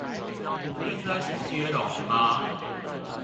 現在是接龍嗎